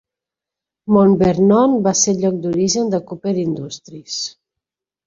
Mount Vernon va ser el lloc d'origen de Cooper Industries.